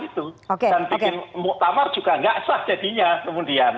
dan bikin muktamar juga tidak sah jadinya kemudian